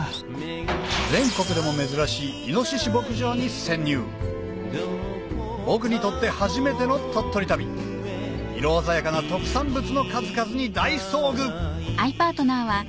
全国でも珍しい僕にとって初めての鳥取旅色鮮やかな特産物の数々に大遭遇！